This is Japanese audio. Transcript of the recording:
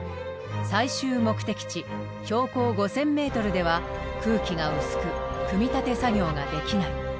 最終目的地標高５，０００ｍでは空気が薄く組み立て作業ができない。